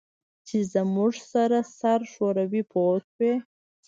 چې زموږ سره سر ښوروي پوه شوې!.